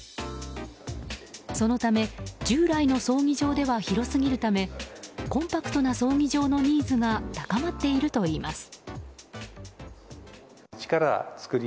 そのため、従来の葬儀場では広すぎるためコンパクトな葬儀場のニーズが高まっているといいます。